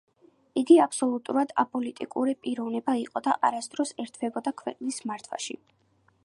იგი აბსოლუტურად აპოლიტიკური პიროვნება იყო და არასდროს ერთვებოდა ქვეყნის მართვაში.